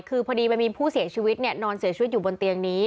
คือพอดีมันมีผู้เสียชีวิตเนี่ยนอนเสียชีวิตอยู่บนเตียงนี้